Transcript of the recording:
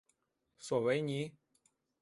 索维尼。